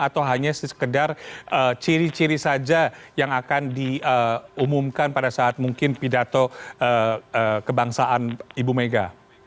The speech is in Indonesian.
atau hanya sekedar ciri ciri saja yang akan diumumkan pada saat mungkin pidato kebangsaan ibu mega